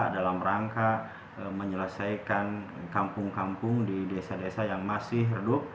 dalam rangka menyelesaikan kampung kampung di desa desa yang masih redup